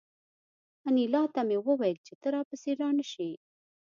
انیلا ته مې وویل چې ته را پسې را نشې